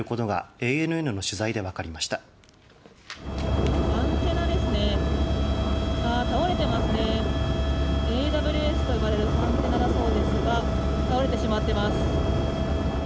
ＡＷＳと呼ばれるアンテナだそうですが倒れてしまっています。